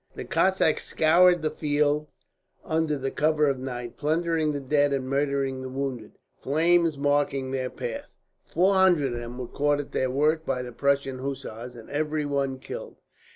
The Cossacks scoured the fields under the cover of night, plundering the dead and murdering the wounded, flames marking their path. Four hundred of them were caught at their work by the Prussian hussars, and every one killed.